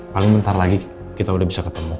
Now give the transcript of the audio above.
paling bentar lagi kita udah bisa ketemu